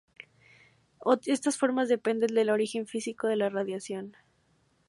Estas formas dependen del origen físico de la radiación.